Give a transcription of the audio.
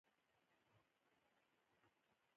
بانکونه د کورنیو تولیداتو د ودې لپاره پور ورکوي.